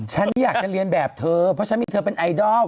ฉันไม่อยากจะเรียนแบบเธอเพราะฉันมีเธอเป็นไอดอล